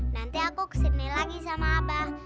nanti aku kesini lagi sama abah